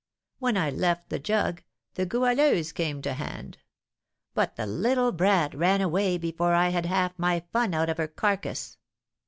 When I left the 'Jug,' the Goualeuse came to hand; but the little brat ran away before I had had half my fun out of her carcass.